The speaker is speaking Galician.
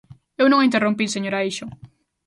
Eu non a interrompín, señora Eixo.